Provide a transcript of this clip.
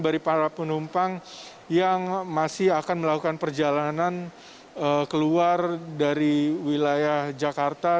dari para penumpang yang masih akan melakukan perjalanan keluar dari wilayah jakarta